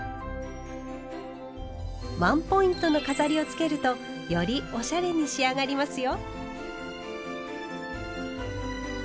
ワンポイントの飾りをつけるとよりおしゃれに仕上がりますよ。